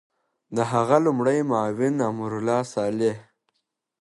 د هغه لومړی معاون امرالله صالح